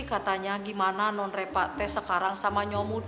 katanya gimana non repate sekarang sama nyomut